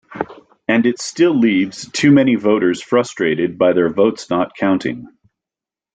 And it still leaves too many voters frustrated by their votes not counting.